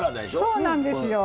そうなんですよ。